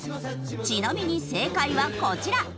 ちなみに正解はこちら。